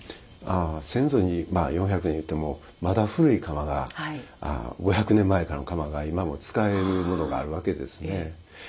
先祖にまあ４００年いうてもまだ古い釜が５００年前からの釜が今も使えるものがあるわけですね。